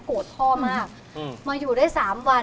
พ่อมากมาอยู่ได้๓วัน